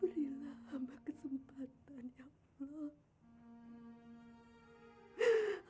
berilah hamba kesempatan ya allah